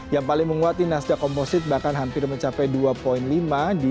yang paling menguat di nasdaq composite bahkan hampir mencapai dua lima di sebelas enam ratus dua puluh satu